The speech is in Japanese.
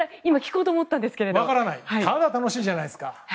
ただ楽しみじゃないですか。